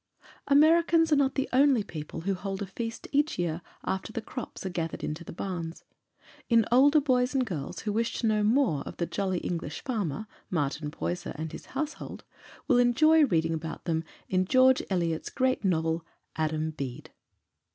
Americans are not the only people who hold a feast each year after the crops are gathered into barns. The older boys and girls who wish to know more of the jolly English farmer, Martin Poyser, and his household, will enjoy reading about them in George Eliot's great novel, "Adam Bede."